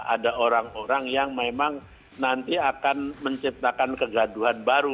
ada orang orang yang memang nanti akan menciptakan kegaduhan baru